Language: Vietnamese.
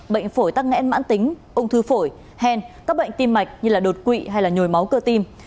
bệnh phổi tắc nghẽn mãn tính ung thư phổi hèn các bệnh tim mạch như đột quỵ hay là nhồi máu cơ tim